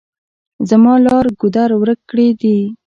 زما لار ګودر ورک کړي دي.